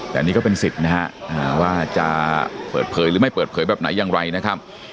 แต่อันนี้ก็เป็นสิทธิ์นะฮะว่าจะเปิดเผยหรือไม่เปิดเผยแบบไหนอย่างไรนะครับ